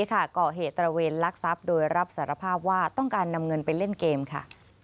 ก่อเหตุตระเวนลักทรัพย์โดยรับสารภาพว่าต้องการนำเงินไปเล่นเกมค่ะ